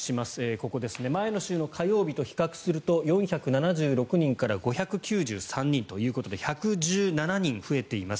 ここですね前の週の火曜日と比較すると４７６人から５９３人ということで１１７人増えています。